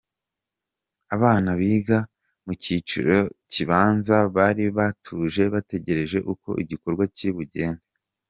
Abana biga mu cyiciro kibanza bari batuje bategereje uko igikorwa kiri bugende.